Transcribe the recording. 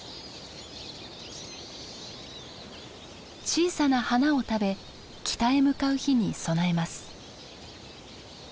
小さな花を食べ北へ向かう日に備えます。